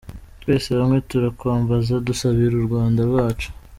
Twese hamwe turakwambaza dusabira u Rwanda rwacu.